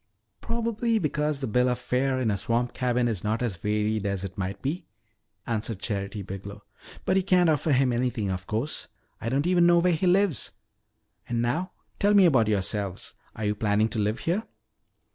"Probably because the bill of fare in a swamp cabin is not as varied as it might be," answered Charity Biglow. "But you can't offer him anything, of course. I don't even know where he lives. And now, tell me about yourselves. Are you planning to live here?"